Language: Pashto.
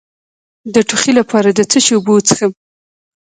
د ټوخي لپاره د څه شي اوبه وڅښم؟